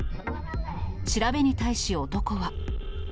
調べに対し男は。